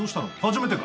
初めてか？